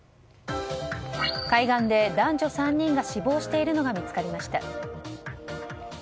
海岸で男女３人が死亡しているのが見つかりました。